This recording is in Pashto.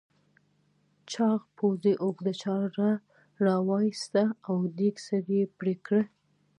چاغ پوځي اوږده چاړه راوایسته او دېگ سر یې پرې کړ.